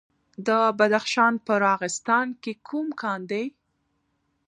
د بدخشان په راغستان کې کوم کان دی؟